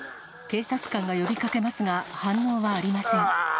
警察官が呼びかけますが、反応はありません。